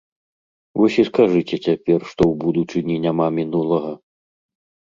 Вось і скажыце цяпер, што ў будучыні няма мінулага.